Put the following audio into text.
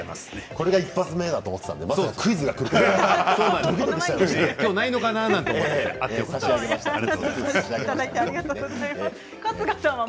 これが一発目だと思っていたのでクイズがくるとは。